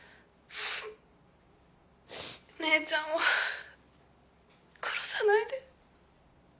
お姉ちゃんを殺さないで。